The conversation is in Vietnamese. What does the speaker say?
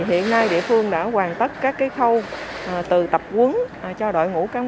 hiện nay địa phương đã hoàn tất các khâu từ tập quấn cho đội ngũ cám dịch